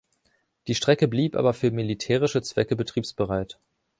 Die Strecke blieb aber für militärische Zwecke betriebsbereit.